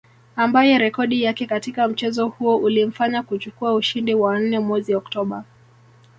Ambaye rekodi yake katika mchezo huo ulimfanya kuchukua ushindi wa nne mwezi Oktoba